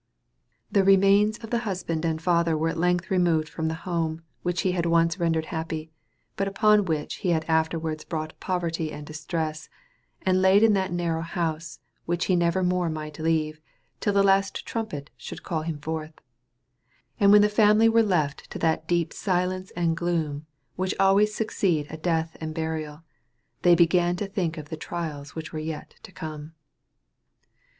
The remains of the husband and father were at length removed from the home which he had once rendered happy, but upon which he had afterwards brought poverty and distress, and laid in that narrow house which he never more might leave, till the last trumpet should call him forth; and when the family were left to that deep silence and gloom which always succeed a death and burial, they began to think of the trials which were yet to come.